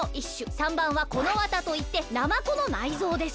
３ばんはこのわたといってなまこのないぞうです。